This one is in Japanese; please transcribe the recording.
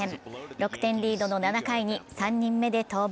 ６点リードの７回に３人目で登板。